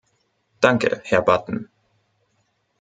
Danke, Herr Batten.